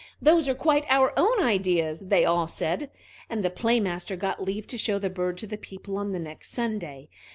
"Those are quite our own ideas," they all said. And the Play master got leave to show the bird to the people on the next Sunday.